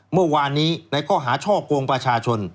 เมื่อวานนี้ในข้อหาช่อกงประชาชน